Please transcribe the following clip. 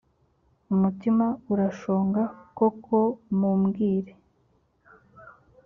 umutima urashonga koko mumbwire